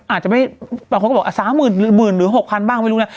อาจจะไม่บางคนก็บอก๓๐๐๐หรือ๖๐๐บ้างไม่รู้นะ